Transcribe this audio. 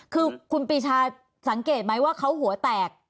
คือคุณปีชาสังเกตไหมว่าเขาหัวแตก